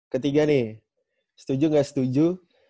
ketiga nih setuju nggak setuju